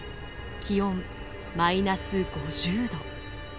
気温マイナス５０度。